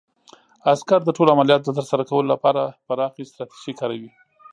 عسکر د ټولو عملیاتو د ترسره کولو لپاره پراخې ستراتیژۍ کاروي.